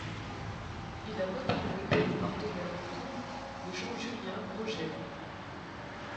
Il a notamment été le partenaire de double de Jean-Julien Rojer.